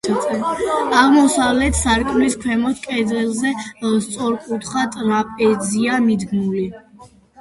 აღმოსავლეთ სარკმლის ქვემოთ, კედელზე, სწორკუთხა ტრაპეზია მიდგმული.